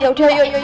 yaudah yuk yuk yuk